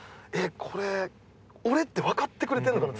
これ俺って分かってくれてる？